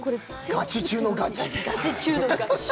ガチ中のガチ。